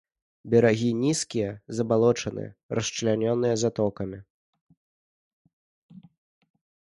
Берагі нізкія, забалочаныя, расчлянёныя затокамі.